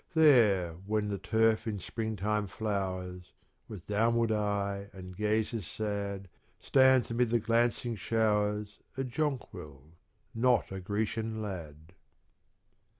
There when the turf in spring time flowers, With downward eye and gazes sad Stands amid the glancing showers A jonquil, not a Grecian lad.